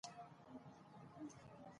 شاهد استاذ صېب پياله پۀ مېز کېښوده